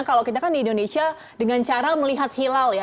kalau kita kan di indonesia dengan cara melihat hilal ya